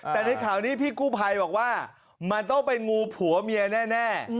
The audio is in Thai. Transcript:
แต่ในข่าวนี้พี่กู้ภัยบอกว่ามันต้องเป็นงูผัวเมียแน่